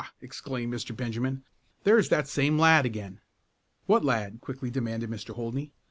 exclaimed Mr. Benjamin. "There's that same lad again!" "What lad?" quickly demanded Mr. Holdney.